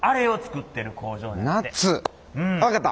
分かった！